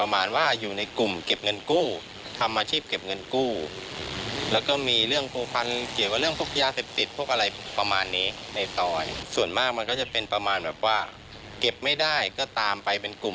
ไม่ได้ก็ตามไปเป็นกลุ่ม